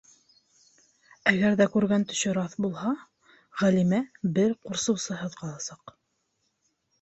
Әгәр ҙә күргән төшө раҫ булһа, Ғәлимә бер курсыусыһыҙ ҡаласаҡ.